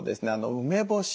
梅干し